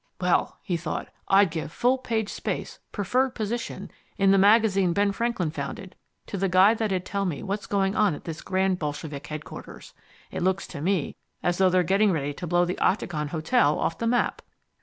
"Well," he thought, "I'd give full page space, preferred position, in the magazine Ben Franklin founded to the guy that'd tell me what's going on at this grand bolshevik headquarters. It looks to me as though they're getting ready to blow the Octagon Hotel off the map."